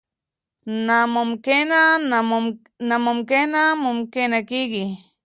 نا ممکنه ممکنه کېږي.